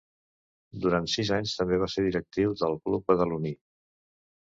Durant sis anys també va ser directiu del club badaloní.